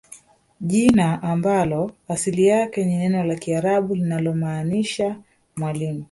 Jina ambalo asili yake ni neno la kiarabu linalomaanisha mwalimu